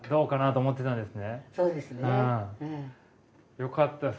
よかった。